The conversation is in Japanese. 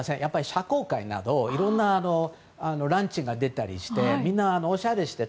社交界などいろんなランチが出たりしてみんなおしゃれして。